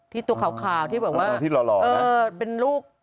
ที่ตัวคาวที่บอกว่าเป็นลูก